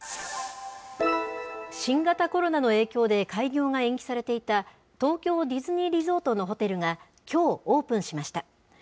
新型コロナの影響で開業が延期されていた東京ディズニーリゾートのホテルが、きょうオープンしました。